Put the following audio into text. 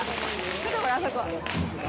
見てごらん、あそこ。